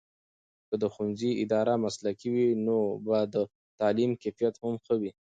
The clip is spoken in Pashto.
که د ښوونځي اداره مسلکي وي، نو به د تعلیم کیفیت هم ښه وي.